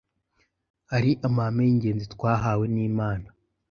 Hari amahame y’ingenzi twahawe nimana